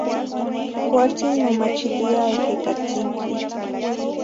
Cualtzin momachilia ehecatzintli